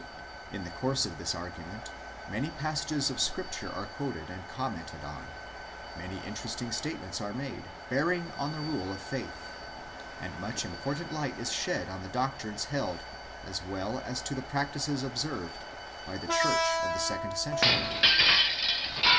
In the course of this argument, many passages of Scripture are quoted and commented on ; many interesting statements are made, bearing on the rule of faith ; and much important light is shed on the doctrines held, as well as the practices observed, by the church of the second century.